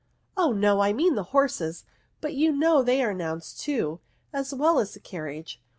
Oh no, I mean the horses; but you know they are nouns too, as well as the car riage.